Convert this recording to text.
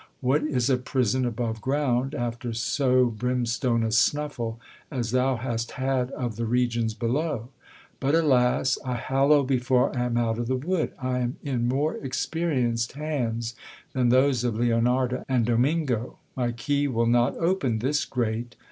What is a prison above ground, after so brimstone a snuffle as thou hast had of the regions below ? But, alas ! I hallo before I am out of the wood ! I am in more experienced hands than those of Leonarda and Domingo. My key will not open this grate